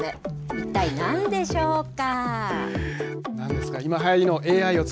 一体、何でしょうか。